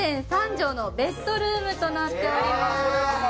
３．３畳のベッドルームとなっております。